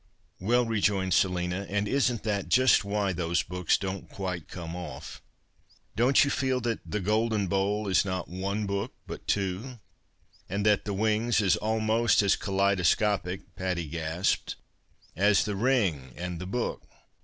"" Well," rejoined Selina, " and isn't that just why those books don't quite come off ? Don't you feel 208 TALK AT MARTELLO TOWER that ' The Golden Bowl ' is not one book but two, and that ' The Wings ' is almost as kaleidoscopic " (Patty gasped) " as ' The Ring and the Book